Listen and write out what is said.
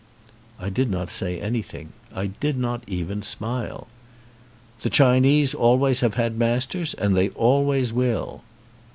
I did not say anything. I did not even smile. "The Chinese always have had masters and they always will."